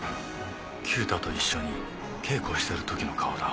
九太と一緒に稽古してる時の顔だ。